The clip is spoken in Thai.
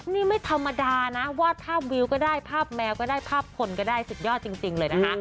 นี่ไม่ธรรมดานะวาดภาพวิวก็ได้ภาพแมวก็ได้ภาพคนก็ได้สุดยอดจริงเลยนะคะ